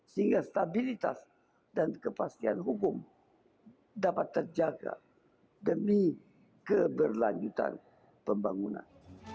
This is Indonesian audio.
sehingga stabilitas dan kepastian hukum dapat terjaga demi keberlanjutan pembangunan